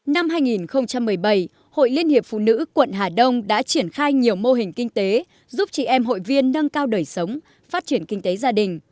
năm hai nghìn một mươi bảy hội liên hiệp phụ nữ quận hà đông đã triển khai nhiều mô hình kinh tế giúp chị em hội viên nâng cao đời sống phát triển kinh tế gia đình